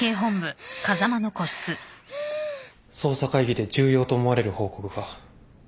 捜査会議で重要と思われる報告が。